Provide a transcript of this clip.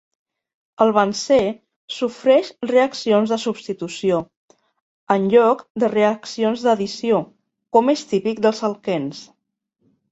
El benzè sofreix reaccions de substitució, en lloc de reaccions d'addició, com és típic dels alquens.